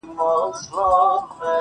لاس مو تل د خپل ګرېوان په وینو سور دی-